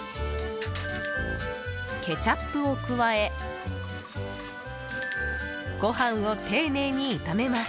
ケチャップを加えご飯を丁寧に炒めます。